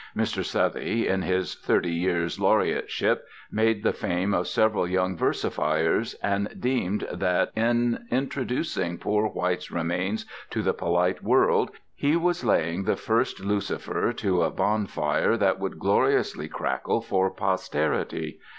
Mr. Southey, in his thirty years' laureateship, made the fame of several young versifiers, and deemed that in introducing poor White's remains to the polite world he was laying the first lucifer to a bonfire that would gloriously crackle for posterity.